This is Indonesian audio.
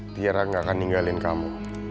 tiara gak akan ninggalin kamu